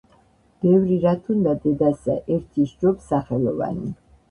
ბევრი რათ უნდა დედასა, ერთი სჯობს სახელოვანი